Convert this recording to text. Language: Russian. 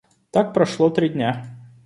Так прошло три дня.